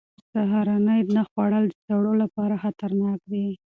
سهارنۍ نه خوړل د سړو لپاره خطرناک دي.